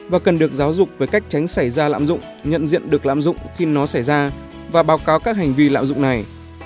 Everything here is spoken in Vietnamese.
và cần được giáo dục về cách tránh xảy ra lạm dụng nhận diện được lạm dụng khi nó xảy ra và báo cáo các hành vi lạm dụng này